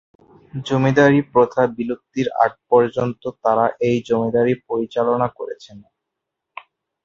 জমিদারী প্রথা বিলুপ্তির আগ পর্যন্ত তারা এই জমিদারী পরিচালনা করেছেন।